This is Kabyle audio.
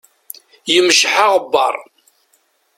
Yemceḥ aɣebbar.